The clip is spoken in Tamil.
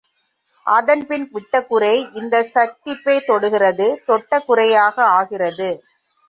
அன்பின் விட்டகுறை, இந்தச் சக்திப்பைத் தொடுகிறது தொட்டகுறையாக ஆகிறது.